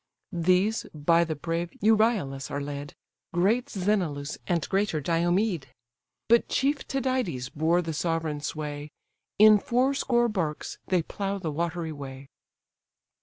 These by the brave Euryalus were led, Great Sthenelus, and greater Diomed; But chief Tydides bore the sovereign sway: In fourscore barks they plough the watery way.